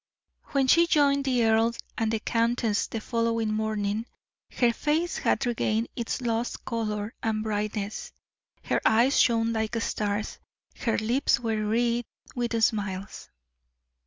When she joined the earl and countess the following morning, her face had regained its lost color and brightness, her eyes shone like stars, her lips were wreathed with smiles.